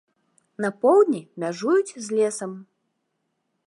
На поўдні мяжуюць з лесам.